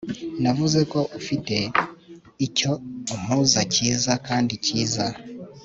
navuze ko ufite icyo umpuza cyiza kandi cyiza